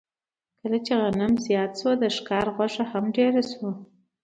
کله چې غنم زیات شو، د ښکار غوښه هم ډېره شوه.